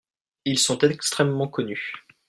Ils sont extrèmement connus.